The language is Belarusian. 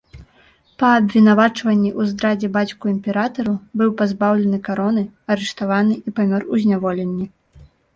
Па абвінавачванні ў здрадзе бацьку імператару быў пазбаўлены кароны, арыштаваны і памёр у зняволенні.